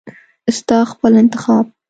ستا خپل انتخاب .